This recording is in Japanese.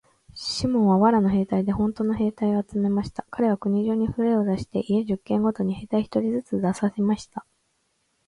シモンは藁の兵隊でほんとの兵隊を集めました。かれは国中にふれを出して、家十軒ごとに兵隊一人ずつ出させました。